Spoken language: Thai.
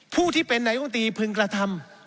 ผู้ที่เป็นนายกรรมตรีพึงกระทำ